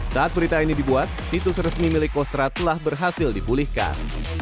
saat berita ini dibuat situs resmi milik kostra telah berhasil dipulihkan